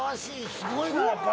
すごいなやっぱり。